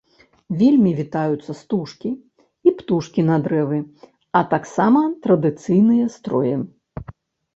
Вельмі вітаюцца стужкі і птушкі на дрэвы, а таксама традыцыйныя строі.